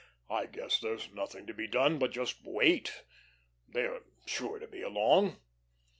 "I guess there's nothing to be done but just wait. They are sure to be along."